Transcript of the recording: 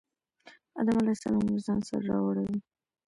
آدم علیه السلام له ځان سره راوړی و.